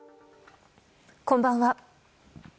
こんばんは。